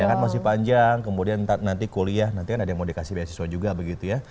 ya kan masih panjang kemudian nanti kuliah nanti kan ada yang mau dikasih beasiswa juga begitu ya